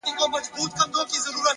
مهرباني د انسانیت ژور پیغام دی.!